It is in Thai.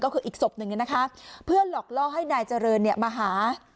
ก็คืออีกศพหนึ่งเนี่ยนะคะเพื่อหลอกล่อให้นายเจริญเนี่ยมาหา